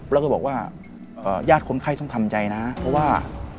แล้วก็บอกว่าญาติคนไข้ต้องทำใจนะเพราะว่า